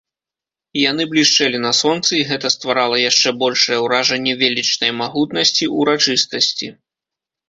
Яны блішчэлі на сонцы, і гэта стварала яшчэ большае ўражанне велічнай магутнасці, урачыстасці.